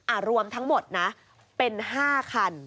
รวมทั้งหมดนะเป็น๕คัน